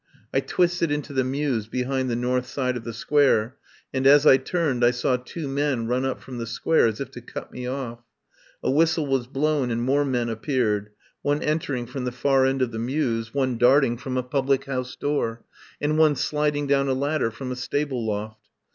I twisted into the mews behind the north side of the Square, and as I turned I saw two men run up from the Square as if to cut me off. A whistle was blown and more men ap peared — one entering from the far end of the mews, one darting from a public house door, and one sliding down a ladder from a stable loft.